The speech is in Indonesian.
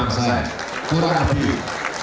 lima persen kurang lebih